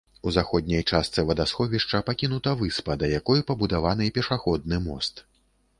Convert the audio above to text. У заходняй частцы вадасховішча пакінута выспа, да якой пабудаваны пешаходны мост.